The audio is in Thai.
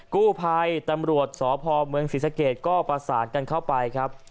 กู้ภัยตำรวจสพเมืองศรีสะเกดก็ประสานกันเข้าไปครับ